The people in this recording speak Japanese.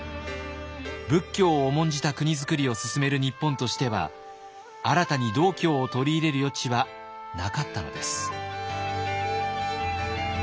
仏教を重んじた国づくりを進める日本としては新たに道教を取り入れる余地はなかったのです。